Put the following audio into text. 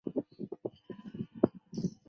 韩泷祠的历史年代为清嘉庆十四年重修。